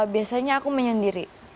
biasanya aku menyendiri